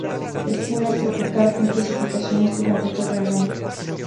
El clima es tropical, con precipitaciones durante todo el año.